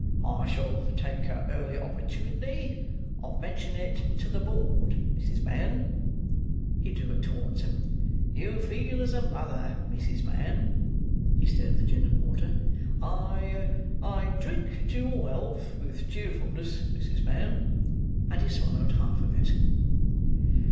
"I shall take a early opportunity of mentioning it to the board, Mrs. Mann." (He drew it towards him.) "You feel as a mother, Mrs. Mann." (He stirred the gin and water.) "I—I drink your health with cheerfulness, Mrs. Mann"; and he swallowed half of it.